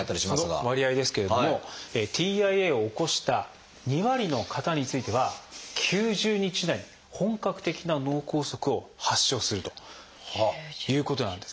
その割合ですけれどもＴＩＡを起こした２割の方については９０日以内に本格的な脳梗塞を発症するということなんです。